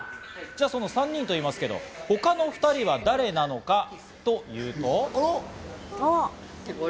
その３人と言いますけど他の２人は誰なのかというと。